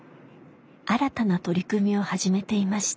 新たな取り組みを始めていました。